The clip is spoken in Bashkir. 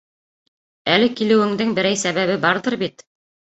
Әле килеүеңдең берәй сәбәбе барҙыр бит?